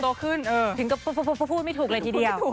ถึงก็พูดไม่ถูกเลยทีเดียว